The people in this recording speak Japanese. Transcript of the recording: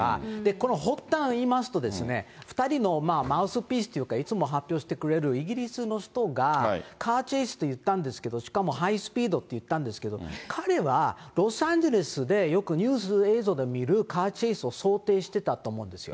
この発端言いますとですね、２人のマウスピースというか、いつも発表してくれるイギリスの人が、カーチェイスといったんですけど、しかもハイスピードっていったんですけど、彼はロサンゼルスでよくニュース映像で見るカーチェイスを想定してたと思うんですよ。